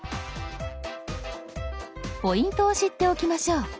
ポイントを知っておきましょう。